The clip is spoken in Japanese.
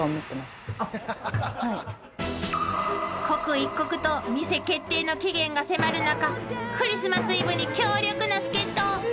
［刻一刻と店決定の期限が迫る中クリスマスイブに強力な助っ人を］